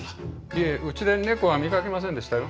いえうちで猫は見かけませんでしたよ。